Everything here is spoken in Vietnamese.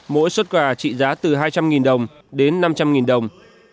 mỗi xuất quà trị giá từ hai trăm linh đồng đến năm trăm linh đồng